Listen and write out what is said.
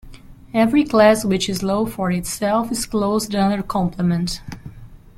Every class which is low for itself is closed under complement.